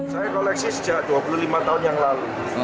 saya koleksi sejak dua puluh lima tahun yang lalu